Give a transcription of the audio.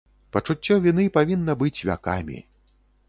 Пачуццё віны павінна быць вякамі.